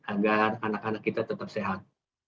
agar anak anak kita tetap sehat